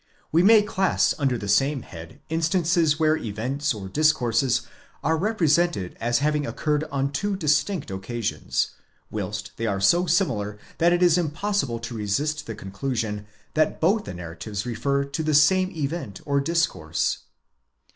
We may class under the same head instances where events or discourses are represented as having occurred on two distinct occasions, whilst they are so similar that it is impossible to resist the conclusion that both the narratives refer to the same event or discourse.